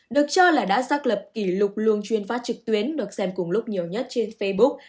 được cho là đã xác lập kỷ lục luông chuyên phát trực tuyến được xem cùng lúc nhiều nhất trên facebook